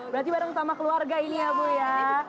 berarti bareng sama keluarga ini ya bu ya